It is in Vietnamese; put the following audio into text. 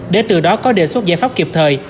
để từ đó có đề xuất giải pháp kịp thời